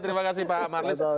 terima kasih pak amarlis